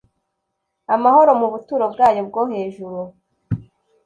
Amahoro mu buturo bwayo bwo hejuru